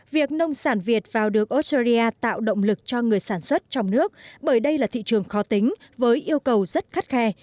việc nông sản việt vào được australia tạo động lực cho người sản xuất trong nước bởi đây là thị trường khó tính với yêu cầu rất khắt khe